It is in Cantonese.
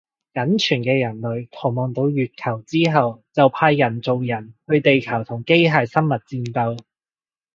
僅存嘅人類逃亡到月球之後就派人造人去地球同機械生物戰鬥